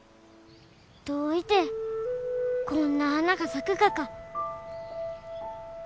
どういてこんな花が咲くがか。